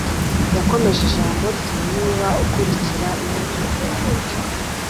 Yakomeje ijambo rye Niba ukurikira inyenyeri yawe